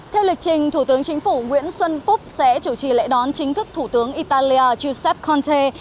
theo lịch trình thủ tướng chính phủ nguyễn xuân phúc sẽ chủ trì lễ đón chính thức thủ tướng italia giuseppe conte